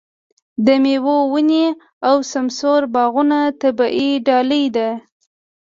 د مېوو ونې او سمسور باغونه طبیعي ډالۍ ده.